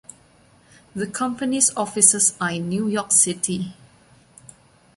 The company's offices are in New York City.